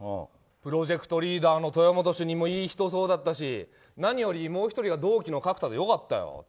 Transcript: プロジェクトリーダーの豊本主任もいい人そうだったし何より、もう１人が同期の角田で良かったよ。